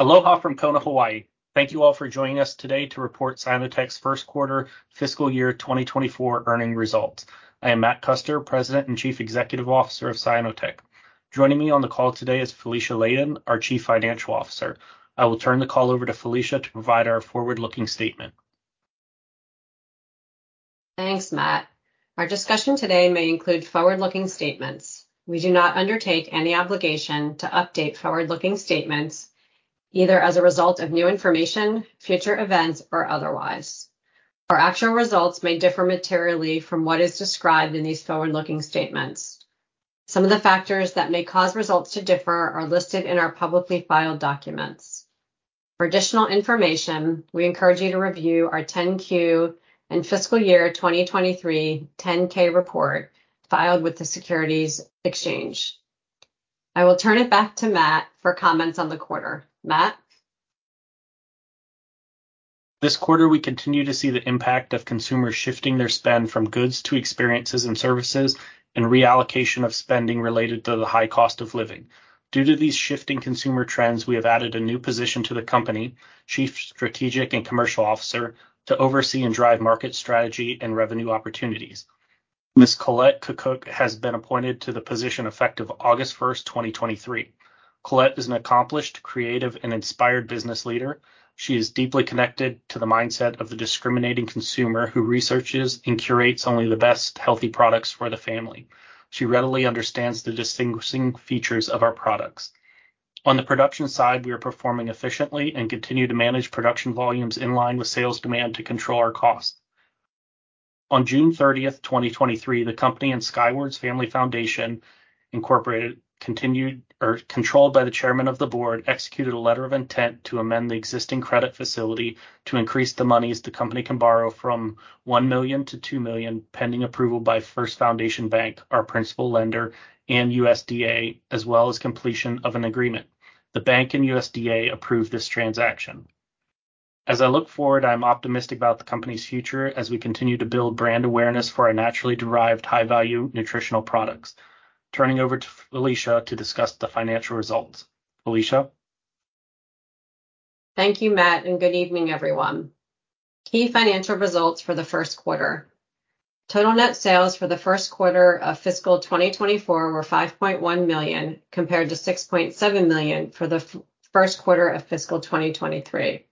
Aloha from Kona, Hawaii. Thank you all for joining us today to report Cyanotech's first quarter fiscal year 2024 earnings results. I am Matt Custer, President and Chief Executive Officer of Cyanotech. Joining me on the call today is Felicia Ladin, our Chief Financial Officer. I will turn the call over to Felicia to provide our forward-looking statement. Thanks, Matt. Our discussion today may include forward-looking statements. We do not undertake any obligation to update forward-looking statements, either as a result of new information, future events, or otherwise. Our actual results may differ materially from what is described in these forward-looking statements. Some of the factors that may cause results to differ are listed in our publicly filed documents. For additional information, we encourage you to review our 10-Q and fiscal year 2023 10-K report filed with the Securities Exchange. I will turn it back to Matt for comments on the quarter. Matt? This quarter, we continue to see the impact of consumers shifting their spend from goods to experiences and services and reallocation of spending related to the high cost of living. Due to these shifting consumer trends, we have added a new position to the company, Chief Strategic and Commercial Officer, to oversee and drive market strategy and revenue opportunities. Ms. Collette Kakuk has been appointed to the position effective August 1st, 2023. Collette is an accomplished, creative, and inspired business leader. She is deeply connected to the mindset of the discriminating consumer who researches and curates only the best healthy products for the family. She readily understands the distinguishing features of our products. On the production side, we are performing efficiently and continue to manage production volumes in line with sales demand to control our costs. On June 30th, 2023, the company and Skywords Family Foundation Inc. continued... or controlled by the chairman of the board, executed a letter of intent to amend the existing credit facility to increase the monies the company can borrow from $1 million-$2 million, pending approval by First Foundation Bank, our principal lender, and USDA, as well as completion of an agreement. The bank and USDA approved this transaction. As I look forward, I'm optimistic about the company's future as we continue to build brand awareness for our naturally derived, high-value nutritional products. Turning over to Felicia to discuss the financial results. Felicia? Thank you, Matt, and good evening, everyone. Key financial results for the first quarter. Total net sales for the first quarter of fiscal 2024 were $5.1 million, compared to $6.7 million for the first quarter of fiscal 2023.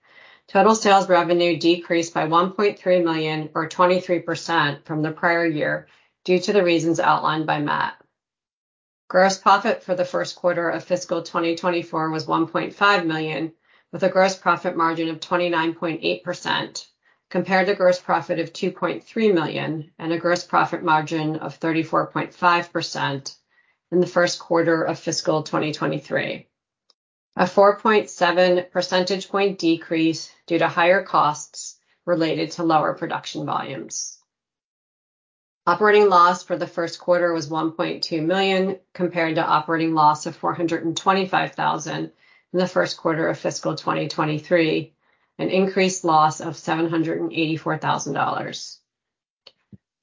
Total sales revenue decreased by $1.3 million, or 23% from the prior year, due to the reasons outlined by Matt. Gross profit for the first quarter of fiscal 2024 was $1.5 million, with a gross profit margin of 29.8%, compared to gross profit of $2.3 million and a gross profit margin of 34.5% in the first quarter of fiscal 2023. A 4.7 percentage point decrease due to higher costs related to lower production volumes. Operating loss for the first quarter was $1.2 million, compared to operating loss of $425,000 in the first quarter of fiscal 2023, an increased loss of $784,000.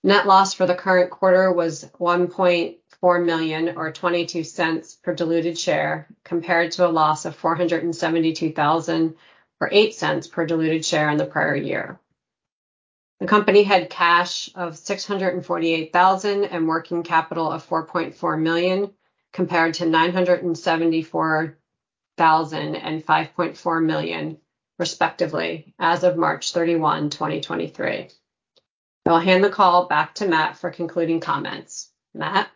Net loss for the current quarter was $1.4 million, or $0.22 per diluted share, compared to a loss of $472,000, or $0.08 per diluted share in the prior year. The company had cash of $648,000 and working capital of $4.4 million, compared to $974,000 and $5.4 million, respectively, as of March 31, 2023. I'll hand the call back to Matt for concluding comments. Matt?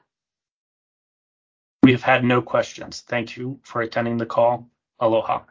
We have had no questions. Thank you for attending the call. Aloha!